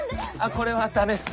これはダメっす。